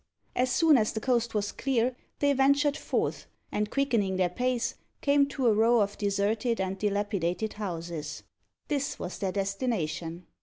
As soon as the coast was clear, they ventured forth, and quickening their pace, came to a row of deserted and dilapidated houses. This was their destination.